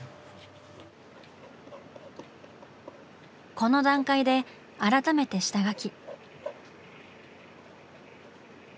この段階で改めて下描き。